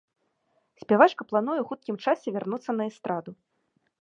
Спявачка плануе ў хуткім часе вярнуцца на эстраду.